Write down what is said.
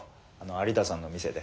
有田さんの店で。